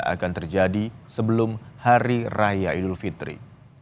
akan terjadi sebelum hari raya idul fitri